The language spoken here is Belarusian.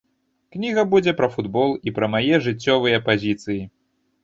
Кніга будзе пра футбол і пра мае жыццёвыя пазіцыі.